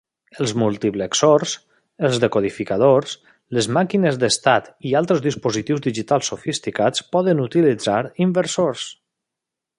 Els multiplexors, els descodificadors, les màquines d'estats i altres dispositius digitals sofisticats poden utilitzar inversors.